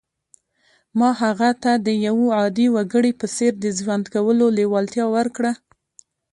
ما هغه ته د یوه عادي وګړي په څېر د ژوند کولو لېوالتیا ورکړه